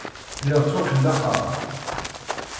Lliɣ ttwakellaxeɣ.